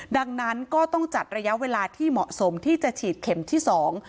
ดังนั้นก็ต้องจัดระยะเวลาที่เหมาะสมที่จะฉีดเข็มที่สอง